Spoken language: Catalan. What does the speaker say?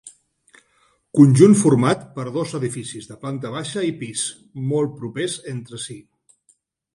Conjunt format per dos edificis de planta baixa i pis, molt propers entre si.